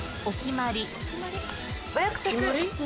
お決まり。